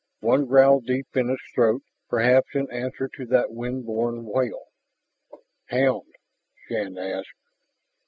One growled deep in its throat, perhaps in answer to that wind borne wail. "Hound?" Shann asked.